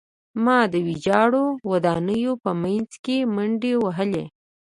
ما د ویجاړو ودانیو په منځ کې منډې وهلې